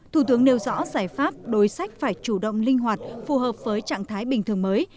thủ tướng nêu rõ giải pháp đối sách phải chủ động linh hoạt phù hợp với trạng thái bình thường mới